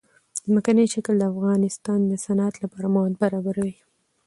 ځمکنی شکل د افغانستان د صنعت لپاره مواد برابروي.